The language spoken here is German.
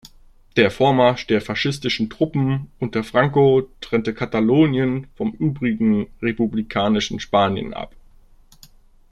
Der Vormarsch der faschistischen Truppen unter Franco trennte Katalonien vom übrigen republikanischen Spanien ab.